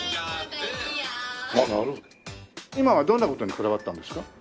今はどんな事にこだわったんですか？